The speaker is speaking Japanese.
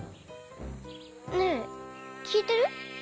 ねえきいてる？